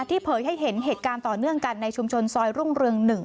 เผยให้เห็นเหตุการณ์ต่อเนื่องกันในชุมชนซอยรุ่งเรือง๑